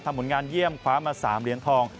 ผลงานเยี่ยมคว้ามา๓เหรียญทอง